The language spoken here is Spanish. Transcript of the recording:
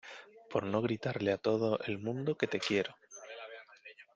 por no gritarle a todo el mundo que te quiero ,